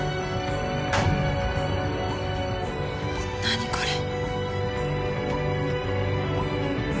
何これ？